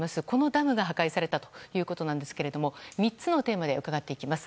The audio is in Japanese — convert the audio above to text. ダムが破壊されたということですが３つのテーマで伺っていきます。